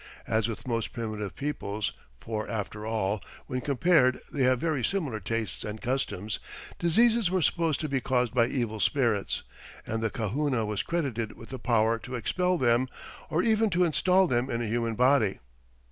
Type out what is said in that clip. As with most primitive peoples for after all, when compared they have very similar tastes and customs diseases were supposed to be caused by evil spirits, and the kahuna was credited with the power to expel them or even to install them in a human body.